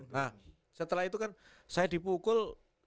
nah setelah itu kan saya dipukul